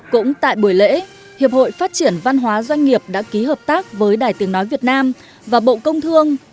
cũng tại buổi lễ hiệp hội phát triển văn hóa doanh nghiệp đã ký hợp tác với đài tiếng nói việt nam và bộ công thương